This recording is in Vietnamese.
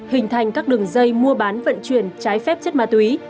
hình thành các đường dây mua bán vận chuyển trái phép chất ma túy